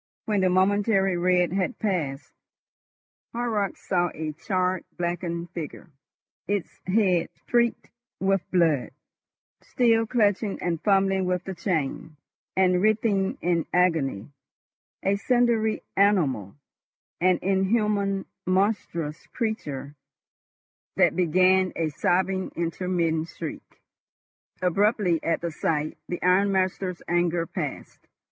When the momentary red had passed, Horrocks saw a charred, blackened figure, its head streaked with blood, still clutching and fumbling with the chain, and writhing in agony—a cindery animal, an inhuman, monstrous creature that began a sobbing intermittent shriek. Abruptly, at the sight, the ironmaster's anger passed.